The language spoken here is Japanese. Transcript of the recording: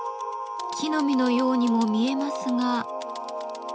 木の実のようにも見えますが。